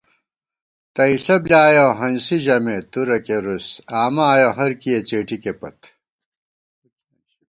تئیݪہ بۡلیایَہ ہنسی ژَمېت ، تُرہ کېرُس آمہ آیَہ ہرکِیہ څېٹِکےپت